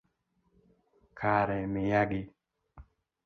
Kare miyagi